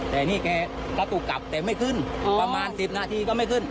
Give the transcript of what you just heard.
แต่นี่แกประตูกลับแต่ไม่ขึ้นประมาณ๑๐นาทีก็ไม่ขึ้น